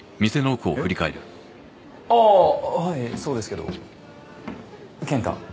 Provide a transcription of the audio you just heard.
ああはいそうですけど賢太